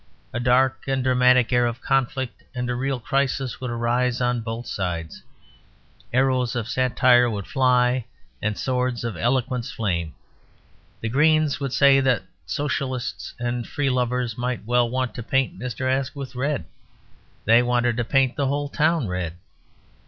A dark and dramatic air of conflict and real crisis would arise on both sides; arrows of satire would fly and swords of eloquence flame. The Greens would say that Socialists and free lovers might well want to paint Mr. Asquith red; they wanted to paint the whole town red.